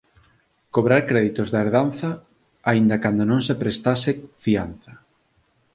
Cobrar créditos da herdanza, aínda cando non se prestase fianza.